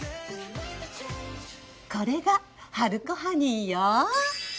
これがハルコハニーよ！